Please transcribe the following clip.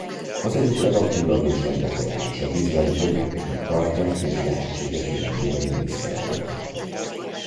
Az egyik legaktívabb és legbefolyásosabb izraeli politikusnak tartják és lehetséges jövendőbeli miniszterelnöknek.